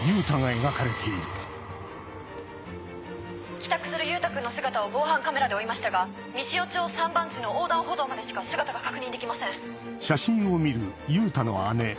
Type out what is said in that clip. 帰宅する優太君の姿を防犯カメラで追いましたが美汐町３番地の横断歩道までしか姿が確認できません。